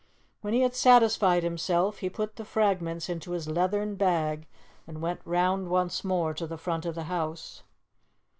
When he had satisfied himself, he put the fragments into his leathern bag and went round once more to the front of the house.